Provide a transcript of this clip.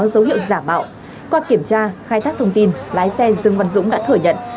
qua kiểm tra khai thác thông tin lái xe dương văn dũng đã thở nhận